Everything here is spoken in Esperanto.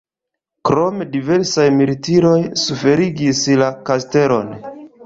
Krome diversaj militiroj suferigis la kastelon.